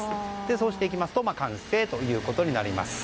そうしていきますと完成ということになります。